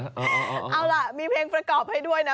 เอาล่ะมีเพลงประกอบให้ด้วยนะ